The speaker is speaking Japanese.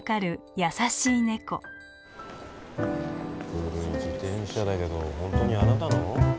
古い自転車だけど本当にあなたの？